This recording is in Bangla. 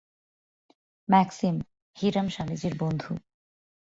ম্যাক্সিম, হিরাম স্বামীজীর বন্ধু।